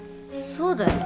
そうだよ